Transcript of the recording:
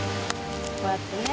こうやってね。